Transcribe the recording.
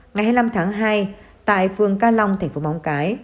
ngày hai mươi năm tháng hai tại phường ca long thành phố móng cái